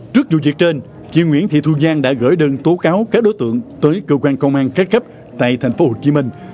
trước vụ việc trên chị nguyễn thị thu giang đã gửi đơn tố cáo các đối tượng tới cơ quan công an các cấp tại thành phố hồ chí minh